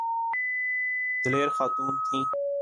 دلیر خاتون تھیں۔